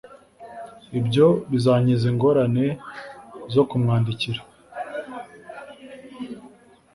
Ibyo bizankiza ingorane zo kumwandikira.